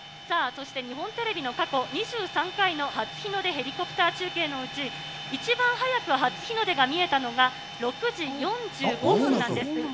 さあ、そして日本テレビの過去２３回の初日の出ヘリコプター中継のうち、一番早く初日の出が見えたのが、６時４５分なんです。